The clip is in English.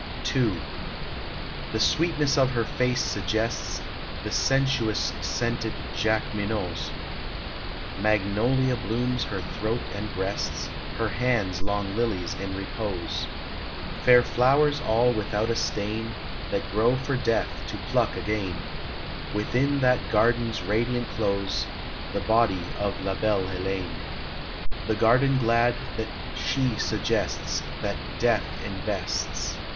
II. The sweetness of her face suggests The sensuous scented Jacqueminots; Magnolia blooms her throat and breasts; Her hands long lilies in repose: Fair flowers all without a stain, That grow for Death to pluck again, Within that garden's radiant close, The body of La belle Heléne; The garden glad that she suggests, That Death invests.